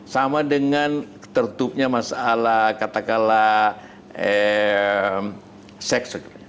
sama dengan tertutupnya masalah katakanlah seks